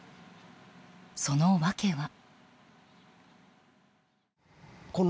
その訳は。